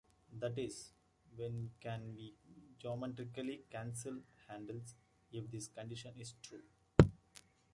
That is, when can we geometrically cancel handles if this condition is true?